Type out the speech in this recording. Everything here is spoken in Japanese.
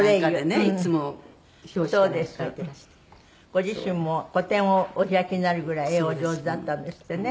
ご自身も個展をお開きになるぐらい絵お上手だったんですってね。